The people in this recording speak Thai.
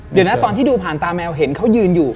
เดี๋ยวนะตอนที่ดูผ่านตาแมวเห็นเขายืนอยู่